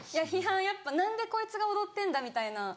やっぱ何でこいつが踊ってんだ？みたいな。